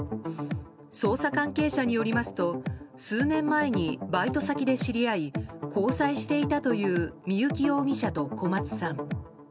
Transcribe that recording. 捜査関係者によりますと数年前にバイト先で知り合い交際していたという三幸容疑者と小松さん。